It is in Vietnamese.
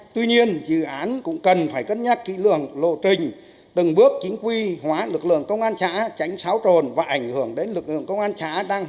tuy nhiên dự án cũng cần phải cân nhắc kỹ lượng lộ trình từng bước chính quy hóa lực lượng công an xã tránh xáo trộn và ảnh hưởng đến lực lượng công an xã